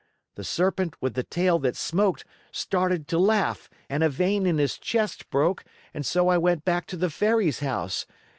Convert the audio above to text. The Serpent with the tail that smoked started to laugh and a vein in his chest broke and so I went back to the Fairy's house.